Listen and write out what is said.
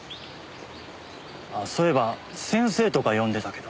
あっそういえば先生とか呼んでたけど。